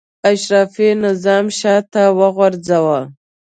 اشرافي نظام شاته وغورځاوه.